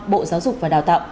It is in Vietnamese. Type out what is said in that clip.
bộ giáo dục và đào tạo